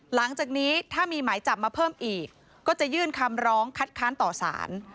หลังจากนี้ถ้ามีหมายจับมาเพิ่มอีกก็จะยื่นคำร้องคัดค้านต่อสาร